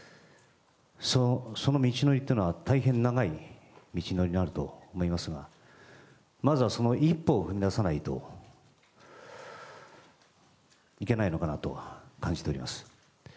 その道のりというのは大変長い道のりになると思いますがまずはその一歩を踏み出さないといけないのかなと感じております。